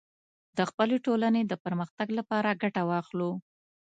د خپلې ټولنې د پرمختګ لپاره ګټه واخلو